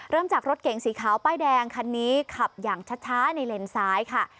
เริ่มจากรถเก๋งสีขาวป้ายแดงคันนี้ขับอย่างช้าในเลนซ้ายค่ะ